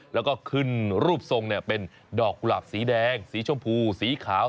แล้วก็ขึ้นรูปทรงเป็นดอกกุหลาบสีแดงสีชมพูสีขาว